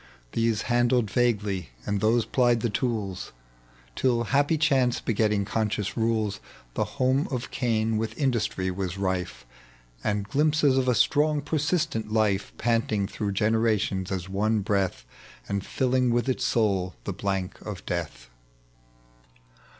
1 These handled vaguely, and those plied the tools, Till, happy chance begetting conscious rules, The home of Cain with indnstry was rife, And glimpses of a strong persistent life, Panting through generations as one breath, And filling with its soul the blank of death.